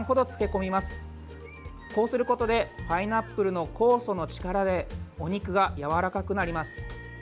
こうすることでパイナップルの酵素の力でお肉がやわらかくなります。